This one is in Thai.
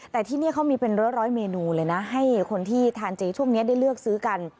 แต่ที่นี่เขามีเป็นร้อยเมนูเลยนะให้คนที่ทานเจช่วงนี้ได้เลือกซื้อกัน